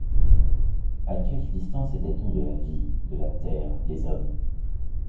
À quelle distance était-on de la vie, de la terre, des hommes?